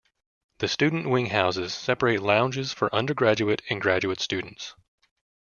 The student wing houses separate lounges for undergraduate and graduate students.